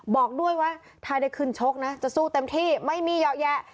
บอกด้วยว่าถ้าได้ขึ้นชกนะจะสู้เต็มที่ไม่มีเหยาะแยะ